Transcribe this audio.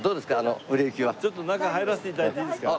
ちょっと中に入らせて頂いていいですか？